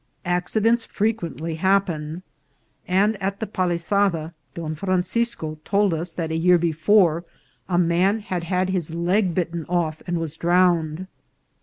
Accidents frequently happen ; and at the Palisada Don Francisco told us that a year before a man had had his leg bitten off and was drowned.